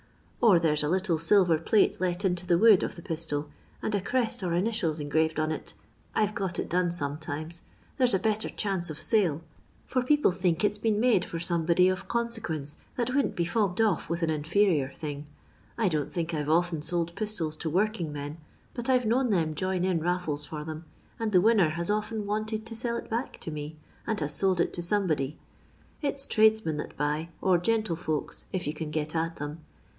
If there's a little silver plate let into the wood of the pistol, and a crest or initials engraved on it — I 've got it done sometimes — there's a better chance of sale, fiur LONDON LABOUR AND THE LONDON POOR. 21 people think it '• been made for somebody of con teqnence that wouldn't be fobbed off with an infe xior thing. I don*t think I 'to often lold piitola to woiking men, but I 're known them join in laiBee for them, and the winner has often wanted to sell it back to me, and has sold it to somebody. It's tradesmen that buy, or gentlefolks, if yon can get at them.